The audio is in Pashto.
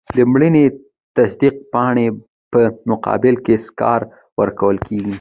د مړینې د تصدیق پاڼې په مقابل کې سکاره ورکول کیږي.